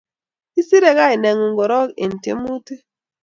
isere kaineng'ung' korok eng' tyemutik